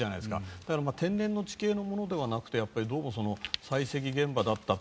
だから天然の地形のものではなくてどうも採石現場だったと。